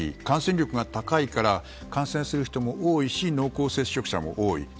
感染力が高いから感染する人も多いし濃厚接触者も多い。